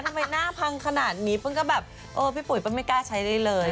ทำไมหน้าพังขนาดนี้ปึ้งก็แบบเออพี่ปุ๋เปิ้ไม่กล้าใช้ได้เลย